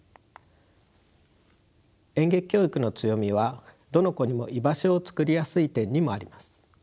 演劇教育の強みはどの子にも居場所をつくりやすい点にもあります。